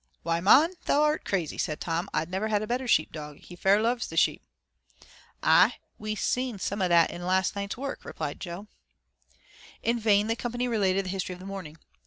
"Why, mon, thou art crazy," said Tom. "Ah never 'ad a better sheep dog 'e fair loves the sheep." "Aye! We's seen summat o' that in las' night's work," replied Jo. In vain the company related the history of the morning.